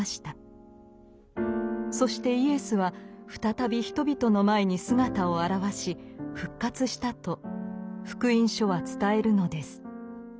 そしてイエスは再び人々の前に姿を現し復活したと「福音書」は伝えるのです。